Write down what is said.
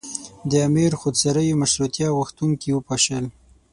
د امیر خودسریو مشروطیه غوښتونکي وپاشل.